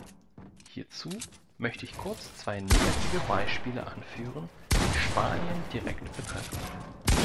Hierzu möchte ich kurz zwei negative Beispiele anführen, die Spanien direkt betreffen.